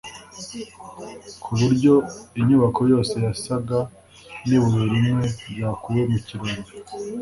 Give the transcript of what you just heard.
ku buryo inyubako yose yasaga n'ibuye rimwe ryakuwe mu kirombe.